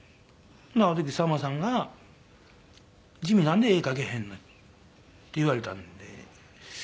ある時さんまさんが「ジミーなんで絵描けへんねん」って言われたので。